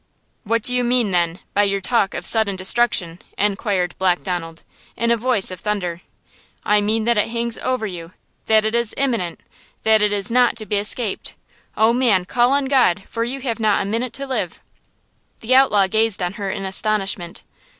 "What do you mean, then, by your talk of sudden destruction?" inquired Black Donald, in a voice of thunder. "I mean that it hangs over you–that it is imminent! That it is not to be escaped! Oh, man, call on God, for you have not a minute to live!" The outlaw gazed on her in astonishment.